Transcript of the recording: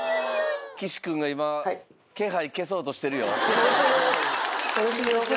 岸君が今気配消そうとしてるよ。